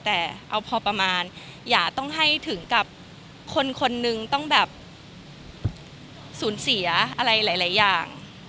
แต่เอาพอประมาณอย่าต้องให้ถึงกับคนคนนึงต้องแบบสูญเสียอะไรหลายอย่าง